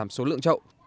số lượng trậu